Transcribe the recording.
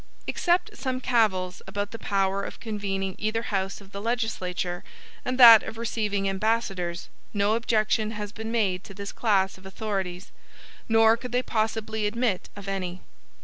Except some cavils about the power of convening either house of the legislature, and that of receiving ambassadors, no objection has been made to this class of authorities; nor could they possibly admit of any.